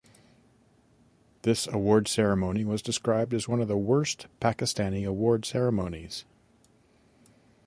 This award ceremony was described as one of the worst Pakistani award ceremonies.